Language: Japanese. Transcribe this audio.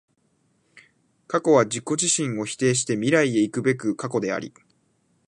過去は自己自身を否定して未来へ行くべく過去であり、